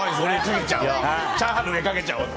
チャーハンの上かけちゃおうって。